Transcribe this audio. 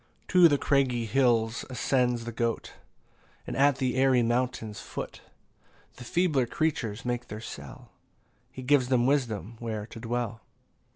14 To craggy hills ascends the goat; And at the airy mountain's foot The feebler creatures make their cell; He gives them wisdom where to dwell.